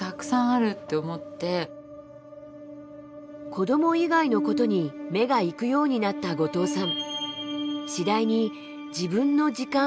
子ども以外のことに目がいくようになった後藤さん。